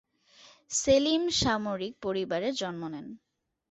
সেলিম সামরিক পরিবারে জন্ম নেন।